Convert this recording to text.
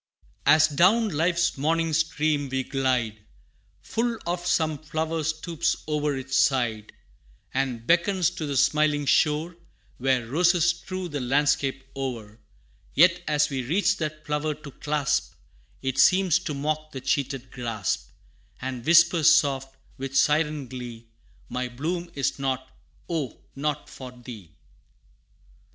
As down life's morning stream we glide, Full oft some Flower stoops o'er its side, And beckons to the smiling shore, Where roses strew the landscape o'er: Yet as we reach that Flower to clasp, It seems to mock the cheated grasp, And whisper soft, with siren glee, "My bloom is not oh not for thee!"